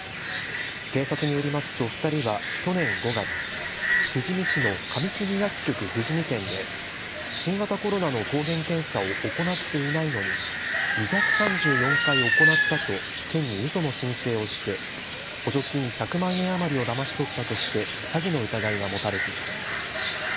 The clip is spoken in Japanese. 警察によりますと２人は去年５月、富士見市の上杉薬局富士見店で新型コロナの抗原検査を行っていないのに２３４回行ったと県にうその申請をして補助金１００万円余りをだまし取ったとして詐欺の疑いが持たれています。